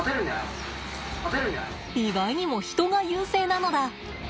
意外にもヒトが優勢なのだ。